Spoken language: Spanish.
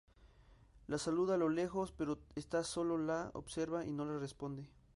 La saluda a lo lejos, pero esta solo la observa y no le responde.